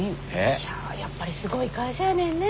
いややっぱりすごい会社やねんねえ。